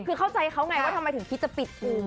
คือเข้าใจเขาไงว่าทำไมถึงคิดจะปิดปู